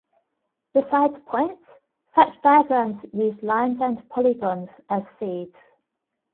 Besides points, such diagrams use lines and polygons as seeds.